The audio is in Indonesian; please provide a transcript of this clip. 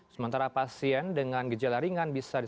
sementara pasien dengan gejala ringan bisa diselamatkan